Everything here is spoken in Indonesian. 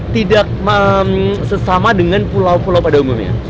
tidak sesama dengan pulau pulau pada umumnya